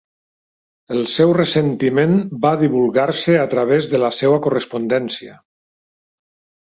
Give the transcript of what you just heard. El seu ressentiment va divulgar-se a través de la seua correspondència.